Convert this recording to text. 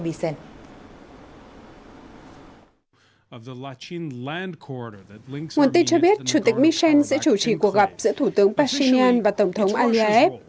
nguồn tin cho biết chủ tịch mishen sẽ chủ trì cuộc gặp giữa thủ tướng pashinyan và tổng thống aliyev